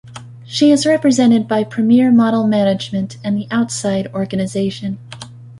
She is represented by Premier Model Management and The Outside Organisation.